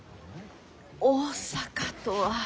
大阪とは。